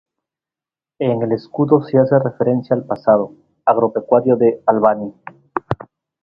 En el escudo se hace referencia al pasado agropecuario de Albany.